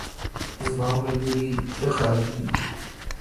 زماملګري ښه خلګ دي